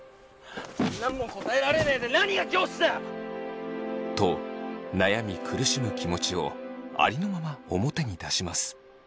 何も答えられねえで何が教師だ！と悩み苦しむ気持ちをありのまま表に出します。